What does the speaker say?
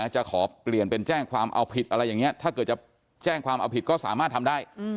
จะขอเปลี่ยนเป็นแจ้งความเอาผิดอะไรอย่างนี้ถ้าเกิดจะแจ้งความเอาผิดก็สามารถทำได้